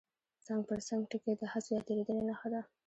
څنګ پر څنګ ټکي د حذف یا تېرېدنې نښه ده.